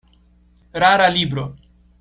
Rara libro.